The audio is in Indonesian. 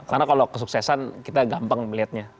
karena kalau kesuksesan kita gampang melihatnya